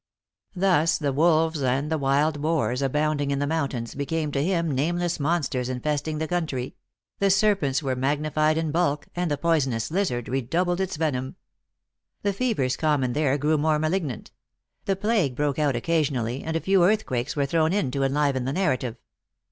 Thus, the wolves and the wild boars abounding in the mountains, became to THE ACTEESS IN HIGH LIFE. 233 him nameless monsters infesting the country ; the ser pents were magnified in bulk, and the poisonous liz ard redoubled its venom. The fevers common there grew more malignant ; the plague broke out occasion ally, and a few earthquakes were thrown in to enliven the narrative.